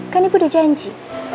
kan ibu udah janji